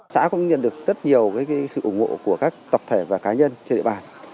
xã cũng nhận được rất nhiều sự ủng hộ của các tập thể và cá nhân trên địa bàn